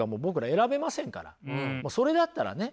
それだったらね